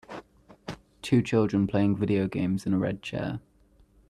Two children playing video games in a red chair.